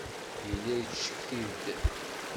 Yella yettcetki-d.